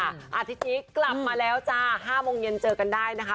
อาทิตย์นี้กลับมาแล้วจ้า๕โมงเย็นเจอกันได้นะคะ